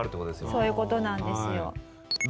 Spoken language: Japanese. そういう事なんですよ。